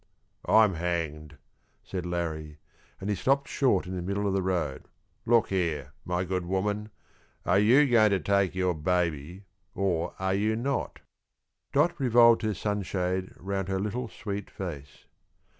"I'm hanged," said Larrie, and he stopped short in the middle of the road; "look here, my good woman, are you going to take your baby, or are you not?" Dot revolved her sunshade round her little sweet face.